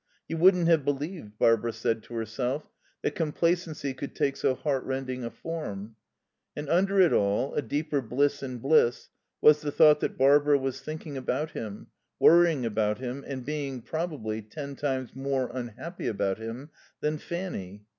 You wouldn't have believed, Barbara said to herself, that complacency could take so heartrending a form. And under it all, a deeper bliss in bliss, was the thought that Barbara was thinking about him, worrying about him, and being, probably, ten times more unhappy about him than Fanny.